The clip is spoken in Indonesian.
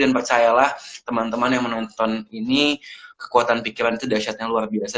dan percayalah teman teman yang menonton ini kekuatan pikiran itu dahsyatnya luar biasa